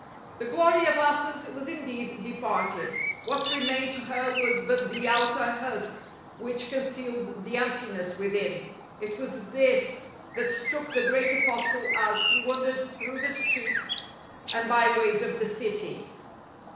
The glory of Athens was indeed departed. What remained to her was but the outer husk which concealed the emptiness within. It was this that struck the great Apostle as he wandered through the streets and byways of the city.